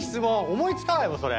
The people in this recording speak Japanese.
思い付かないわそれ。